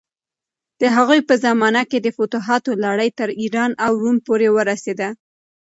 د هغوی په زمانه کې د فتوحاتو لړۍ تر ایران او روم پورې ورسېده.